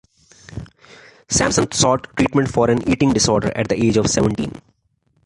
Samson sought treatment for an eating disorder at the age of seventeen.